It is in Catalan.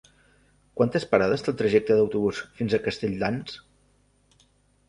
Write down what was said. Quantes parades té el trajecte en autobús fins a Castelldans?